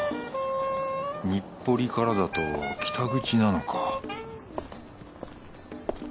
日暮里からだと北口なのか